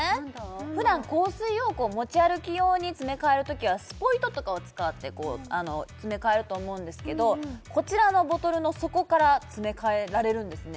普段香水を持ち歩き用に詰め替えるときはスポイトとかを使って詰め替えると思うんですけどこちらのボトルの底から詰め替えられるんですね